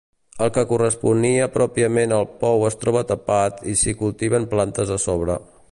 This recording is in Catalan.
El que corresponia pròpiament al pou es troba tapat i s'hi cultiven plantes a sobre.